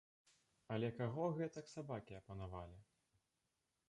Але каго гэтак сабакі апанавалі?